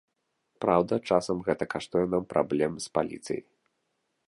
Праўда, часам гэта каштуе нам праблем з паліцыяй.